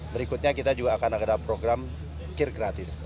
berikutnya kita juga akan ada program kir gratis